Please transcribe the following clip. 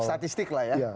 statistik lah ya